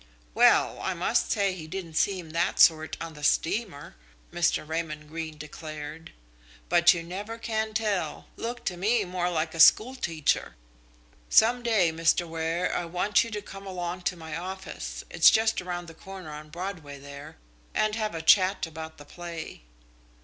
"Well, I must say he didn't seem that sort on the steamer," Mr. Raymond Greene declared, "but you never can tell. Looked to me more like a schoolteacher. Some day, Mr. Ware, I want you to come along to my office it's just round the corner in Broadway there and have a chat about the play."